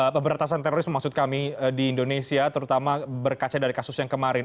pemberantasan terorisme maksud kami di indonesia terutama berkaca dari kasus yang kemarin